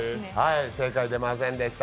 正解出ませんでした。